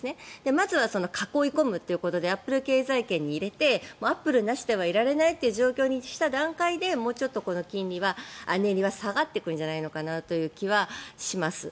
まずは囲い込むということでアップル経済圏に入れてアップルなしではいられないという状況にした段階でもうちょっと年利は下がってくるんじゃないかなという気はします。